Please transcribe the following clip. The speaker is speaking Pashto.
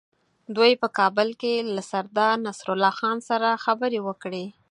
دوی په کابل کې له سردار نصرالله خان سره خبرې وکړې.